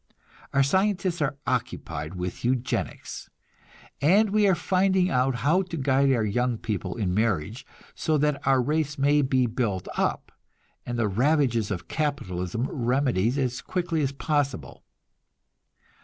Our scientists are occupied with eugenics, and we are finding out how to guide our young people in marriage, so that our race may be built up, and the ravages of capitalism remedied as quickly as possible.